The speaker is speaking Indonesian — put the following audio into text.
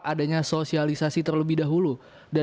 adanya sosialisasi terlebih dahulu